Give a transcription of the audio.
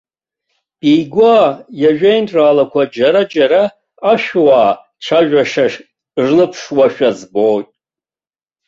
Беигәа иажәеинраалақәа џьара-џьара ашәуа цәажәашьа рныԥшуашәа збоит.